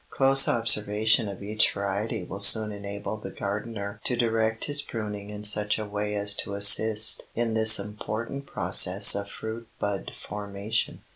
Close observation of each variety will soon enable the gardener to direct his pruning in such a way as to assist in this important process of fruit bud formation.